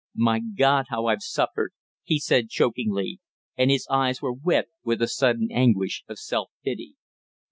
"My God, how I've suffered!" he said chokingly, and his eyes were wet with the sudden anguish of self pity.